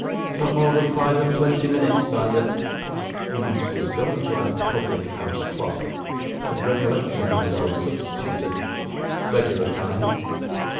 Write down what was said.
'Not more than five and twenty minutes by the ' Noggs was going to add public house clock, but recollecting himself, substituted 'regular time.